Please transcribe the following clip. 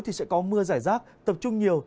thì sẽ có mưa giải rác tập trung nhiều